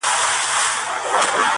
نڅول چي یې سورونو د کیږدیو سهارونه-